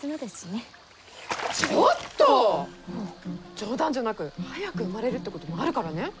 冗談じゃなく早く生まれるってこともあるからね！